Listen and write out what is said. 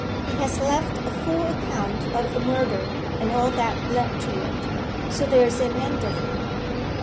He has left a full account of the murder, and all that led to it. So there's an end of him.